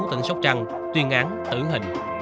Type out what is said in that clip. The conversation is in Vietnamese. tỉnh sóc trăng tuyên án tử hình